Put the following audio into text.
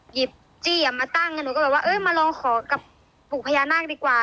จี้มาตั้งหนูก็แบบว่าเออมาลองขอกับปลูกพญานาคดีกว่า